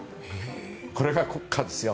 これが国歌ですよ。